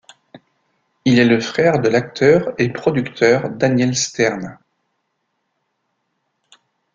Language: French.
Il est le frère de l'acteur et producteur Daniel Stern.